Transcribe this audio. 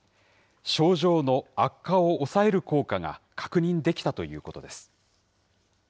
症状の悪化を抑える効果が確認できたということです。